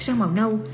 sang màu nâu